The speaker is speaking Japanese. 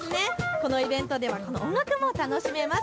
このイベントでは音楽も楽しめます。